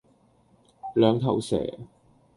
兩頭蛇